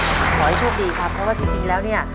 ขอให้โชคดีครับเพราะว่าจริงแล้วเนี่ย